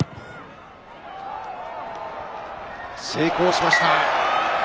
成功しました。